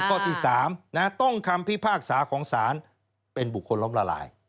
ข้อที่๓ต้องคำพิพากษาของศาลเป็นบุคคลล้มละลาย